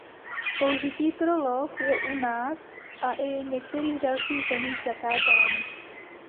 Použití pro lov je v u nás a i některých dalších zemích zakánáno.